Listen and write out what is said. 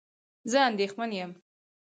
زه اندېښمن یم